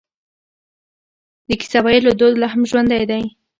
د کیسه ویلو دود لا هم ژوندی دی.